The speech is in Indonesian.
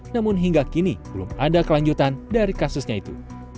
namun hingga kini belum ada kelanjutan dari kasusnya itu